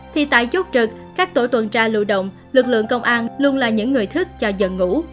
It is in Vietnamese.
thì tại chốt trực các tổ tuần tra lưu động lực lượng công an luôn là những người thức cho giận ngủ